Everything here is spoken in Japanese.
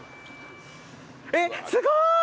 えっすごい！